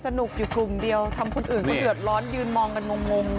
สนุกอยู่กลุ่มเดียวทำคนอื่นเขาเดือดร้อนยืนมองกันงง